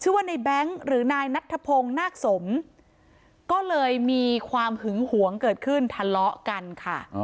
ว่าในแบงค์หรือนายนัทธพงศ์นาคสมก็เลยมีความหึงหวงเกิดขึ้นทะเลาะกันค่ะ